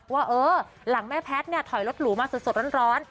ว่าเออหลังแม่แพทย์เนี่ยถอยรถหรูมาสดร้อน